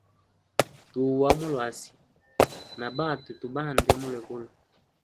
Tua mu luasi, na batwe tu bande mulwegulu.